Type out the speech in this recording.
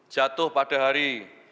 jatuh pada hari